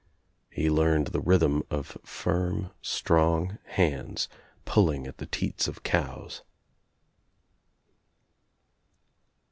He learned the rhythm of firm strong hands pulling at the teats of cows.